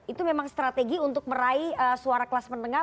itu memang strategi untuk meraih suara kelas menengah